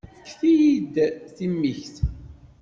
Fket-iyi-d timikt.